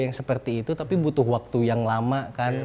yang seperti itu tapi butuh waktu yang lama kan